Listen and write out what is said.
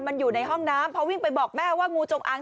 มันอยู่ในห้องน้ำพอวิ่งไปบอกแม่ว่างูจงอาง